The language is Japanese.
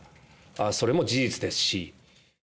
それも事実ですし。